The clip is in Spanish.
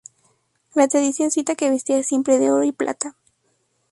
La tradición cita que vestía siempre de oro y plata.